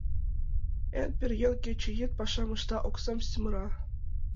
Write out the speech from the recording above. Еҥ пӧръеҥ кече-йӱд пашам ышта, оксам сӱмыра.